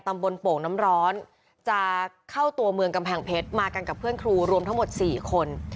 โป่งน้ำร้อนจะเข้าตัวเมืองกำแพงเพชรมากันกับเพื่อนครูรวมทั้งหมด๔คน